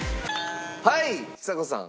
はいちさ子さん。